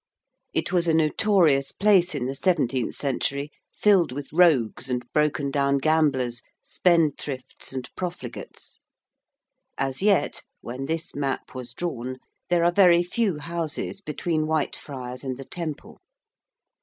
It was a notorious place in the seventeenth century, filled with rogues and broken down gamblers, spendthrifts and profligates. As yet (when this map was drawn) there are very few houses between Whitefriars and the Temple.